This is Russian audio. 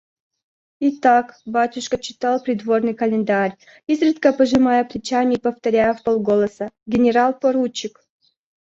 Итак, батюшка читал Придворный календарь, изредка пожимая плечами и повторяя вполголоса: «Генерал-поручик!..